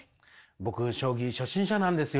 僕将棋初心者なんですよ！